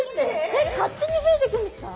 えっ勝手に増えていくんですか？